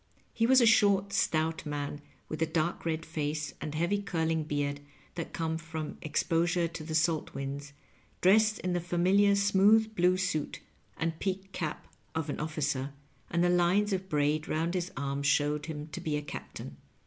He was a short, stout man, with the dark red face and heavy curling beard that come from exposure to the salt winds, dressed in the familiar smooth blue suit and peaked cap of an officer, and the li^es of braid round his arm showed him to be a captain.